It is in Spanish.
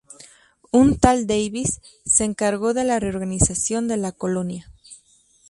Un tal Davies se encargó de la reorganización de la colonia.